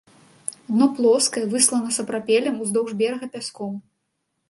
Дно плоскае, выслана сапрапелем, уздоўж берага пяском.